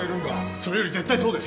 それより絶対そうですよ。